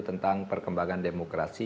tentang perkembangan demokrasi